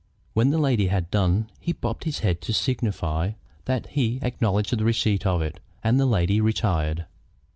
When the lady had done he bobbed his head to signify that he acknowledged the receipt of it, and the lady retired.